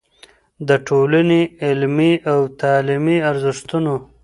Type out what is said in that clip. د ټولنې علمي او تعليمي ارزښتونو